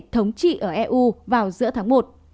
thống trị ở eu vào giữa tháng một